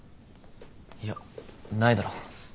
いやないだろ。